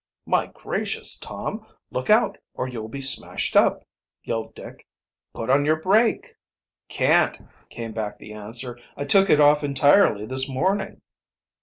"My gracious, Tom! look out or you'll be smashed up!" yelled Dick. "Put on your brake!" "Can't," came back the answer. "I took it off entirely this morning."